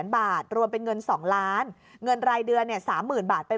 บาทรวมเป็นเงิน๒ล้านเงินรายเดือนเนี่ย๓๐๐๐บาทเป็น